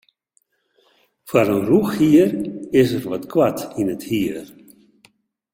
Foar in rûchhier is er wat koart yn it hier.